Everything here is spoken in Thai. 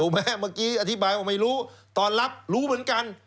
เมื่อกี้อธิบายว่าไม่รู้ตอนรับรู้เหมือนกัน